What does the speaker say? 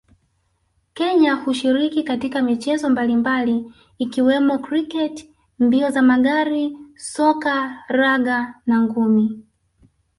Kenya hushiriki katika michezo mbalimbali ikiwemo kriketi mbio za magari soka raga na ngumi